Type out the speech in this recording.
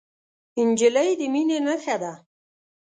نجلۍ د مینې نښه ده.